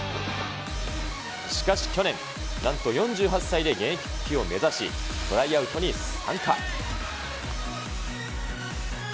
しかし去年、なんと４８歳で現役復帰を目指し、トライアウトに参加。